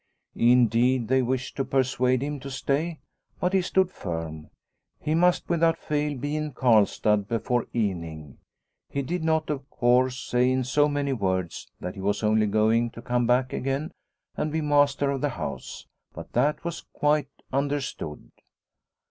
Indeed, they wished to persuade him to stay, but he stood firm. He must without fail be in Karlstad before evening. He did not, of course, say in so many words that he was only going to come back again and be master of the house, but that was quite under stood